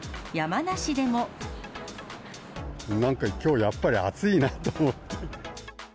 なんか、きょうやっぱり暑いなと思って。